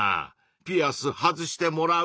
ピアス外してもらう？